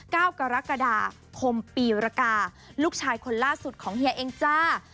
เก้ากรกฎาคมปีรกาลูกชายคนล่าสุดของเฮียเองจ้า